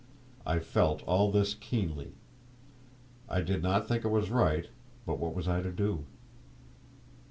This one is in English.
I felt all this keenly; I did not think it was right, but what was I to do?